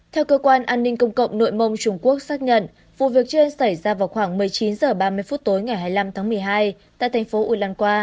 theo cơ quan an ninh công cộng nội mông trung quốc xác nhận vụ việc trên xảy ra vào khoảng một mươi chín h ba mươi phút tối ngày hai mươi năm tháng một mươi hai tại thành phố ulaan